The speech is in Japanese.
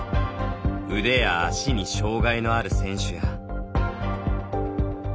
腕や足に障がいのある選手や。